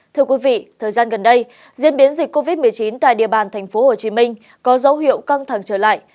thưa quý vị thời gian gần đây diễn biến dịch covid một mươi chín tại địa bàn tp hcm có dấu hiệu căng thẳng trở lại